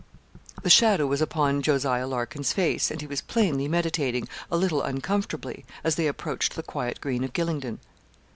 The shadow was upon Jos. Larkin's face, and he was plainly meditating a little uncomfortably, as they approached the quiet green of Gylingden.